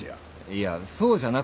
いやそうじゃなくて。